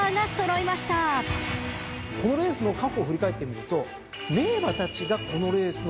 このレースの過去を振り返ってみると。